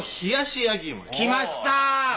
きました。